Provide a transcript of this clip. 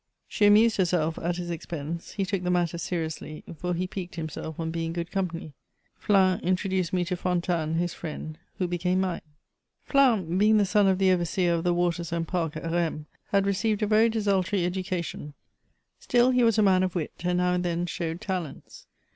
She amused herself at his expense ; he took the matter seriously, for he piqued himself on being good company. Flins introduced me to Fontanes, his friend, who became mine. n2 180 MEMOIRS OF Flins, being the son of the overseer of the waters and park at Rheims^ had received a very desultory education ; still, he was a man of wit, and now and then showed talents.